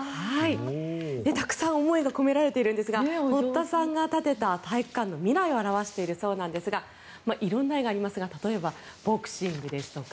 たくさん思いが込められているんですが堀田さんが建てた体育館の未来を表しているそうですが色んな絵がありますが例えばボクシングですとか